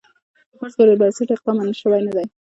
د فرض پر بنسټ اقدام منل شوی نه دی.